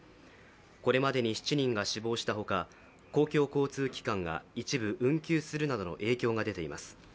これまでに７人が死亡したほか、公共交通機関が一部運休するなどの影響が出ています。